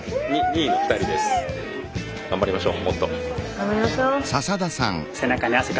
頑張りましょう！